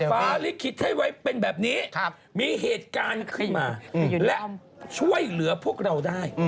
ฟ้าลิขิตให้ไว้เป็นแบบนี้มีเหตุการณ์ขึ้นมาและช่วยเหลือพวกเราได้